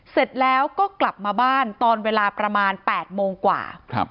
เสร็จแล้วก็กลับมาบ้านตอนเวลาประมาณ๘โมงกว่า